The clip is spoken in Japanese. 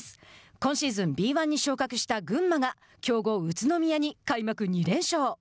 今シーズンＢ１に昇格した群馬が強豪宇都宮に開幕２連勝。